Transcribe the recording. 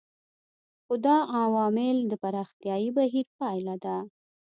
خو دا عوامل د پراختیايي بهیر پایله ده.